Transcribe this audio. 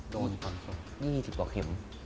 โดนพันศอก๒๐กว่าเข็ม